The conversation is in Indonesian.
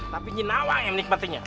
tapi nyi nawang yang menikmatinya